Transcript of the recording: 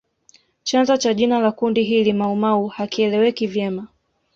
Chanzo cha jina la kundi hili Maumau hakieleweki vyema